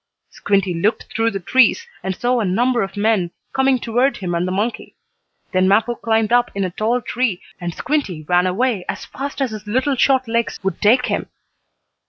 Squinty looked through the trees, and saw a number of men coming toward him and the monkey. Then Mappo climbed up in a tall tree, and Squinty ran away as fast as his little short legs would take him.